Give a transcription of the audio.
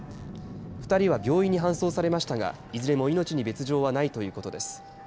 ２人は病院に搬送されましたがいずれも命に別状はないということです。